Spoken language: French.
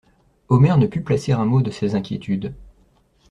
Omer ne put placer un mot de ses inquiétudes.